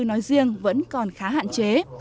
nói riêng vẫn còn khá hạn chế